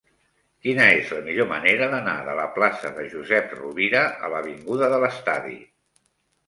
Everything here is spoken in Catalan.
Quina és la millor manera d'anar de la plaça de Josep Rovira a l'avinguda de l'Estadi?